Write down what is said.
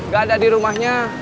gak ada di rumahnya